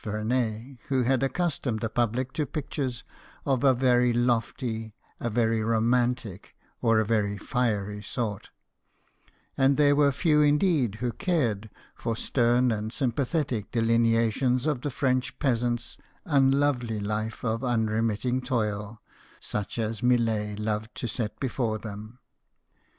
127 Vernet, who had accustomed the public to pictures of a very lofty, a very romantic, or a very fiery sort ; and there were few indeed who cared for stern and sympathetic delineations of the French peasant's unlovely life of unremit ting toil, such as Millet loved to set before them.